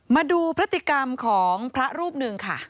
มาดูพฤติกรรมของพระรูปหนึ่งค่ะ